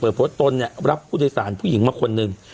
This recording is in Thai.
โพสต์ตนเนี่ยรับผู้โดยสารผู้หญิงมาคนหนึ่ง